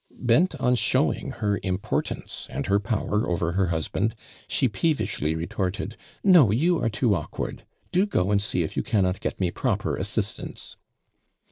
Bent on showing her importance and her power over her husband, she peevishly re torted :" No, you are too awkward. Do go and see if you cannot get me proper as sistance."